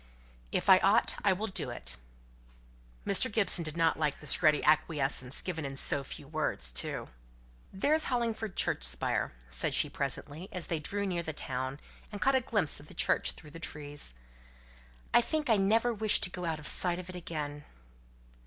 "If I ought, I will do it." Mr. Gibson did not like this ready acquiescence, given in so few words, too. "There's Hollingford church spire," said she presently, as they drew near the town, and caught a glimpse of the church through the trees. "I think I never wish to go out of sight of it again."